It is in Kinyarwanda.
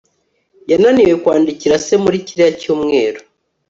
Yananiwe kwandikira se muri kiriya cyumweru